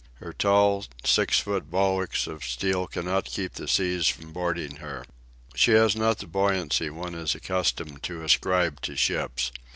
Her tall, six foot bulwarks of steel cannot keep the seas from boarding her. She has not the buoyancy one is accustomed to ascribe to ships.